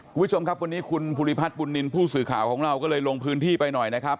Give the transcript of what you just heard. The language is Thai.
คุณผู้ชมครับวันนี้คุณภูริพัฒน์บุญนินทร์ผู้สื่อข่าวของเราก็เลยลงพื้นที่ไปหน่อยนะครับ